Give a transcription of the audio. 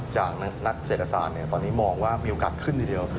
จากนักเศรษฐศาสตร์ตอนนี้มองว่ามีโอกาสขึ้นทีเดียว